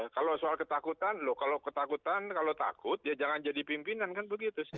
kalau soal ketakutan loh kalau ketakutan kalau takut ya jangan jadi pimpinan kan begitu